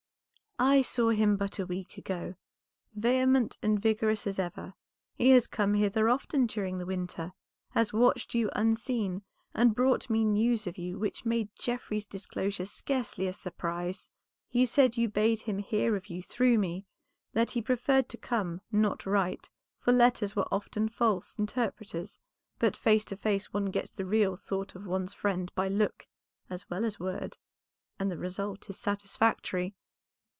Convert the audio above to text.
"I saw him but a week ago, vehement and vigorous as ever. He has come hither often during the winter, has watched you unseen, and brought me news of you which made Geoffrey's disclosure scarcely a surprise. He said you bade him hear of you through me, that he preferred to come, not write, for letters were often false interpreters, but face to face one gets the real thought of one's friend by look, as well as word, and the result is satisfactory."